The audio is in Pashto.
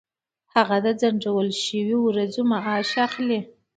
هغه د ځنډول شوو ورځو معاش اخلي.